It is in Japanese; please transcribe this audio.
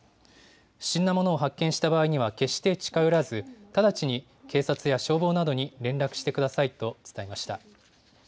不審なものを発見した場合には決して近寄らず、直ちに警察や消防などに連絡してくださいと伝えました。